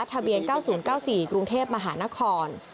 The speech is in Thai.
ทะเบียน๙๐๙๔กรุงเทพมหานคร